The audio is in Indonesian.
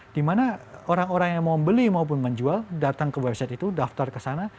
dimana orang orang yang mau beli maupun menjual datang ke website itu daftar ke sana